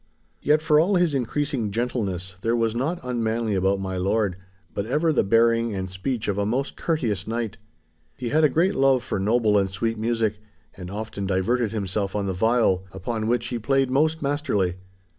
Yet for all his increasing gentleness there was naught unmanly about my lord, but ever the bearing and speech of a most courteous knight. He had a great love for noble and sweet music, and often diverted himself on the viol, upon which he played most masterly.